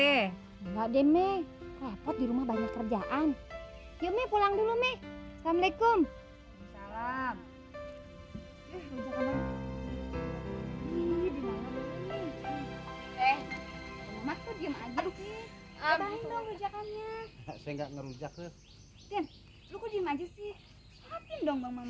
enggak deh meh repot di rumah banyak kerjaan yomi pulang dulu meh assalamualaikum salam